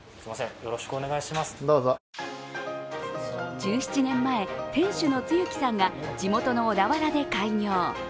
１７年前、店主の露木さんが地元の小田原で開業。